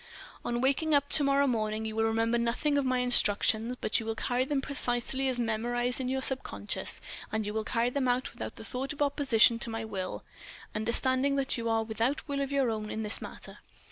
"On waking up to morrow morning, you will remember nothing of my instructions, but you will carry them precisely as memorized in your subconciousness, and you will carry them out without thought of opposition to my will, understanding that you are without will of your own in this matter.